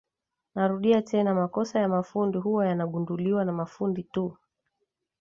Narudia tena makosa ya mafundi huwa yanagunduliwa na mafundi tu